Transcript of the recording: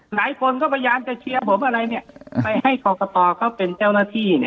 หลายคนก็พยายามจะเชียร์ผมอะไรเนี่ยไปให้เขาเป็นเจ้าหน้าที่เนี่ยนะครับ